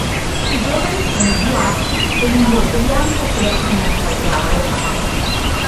I giovani sono bluastri con un bordo bianco sulla pinna caudale.